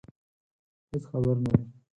هېڅ خبر نه دي.